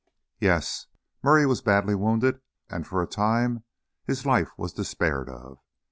"Yes. Murray was badly wounded, and for a time his life was despaired of.